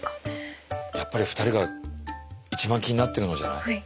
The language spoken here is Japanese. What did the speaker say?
やっぱり２人が一番気になってるのじゃない？